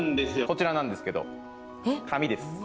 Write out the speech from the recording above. こちらなんですけど紙です。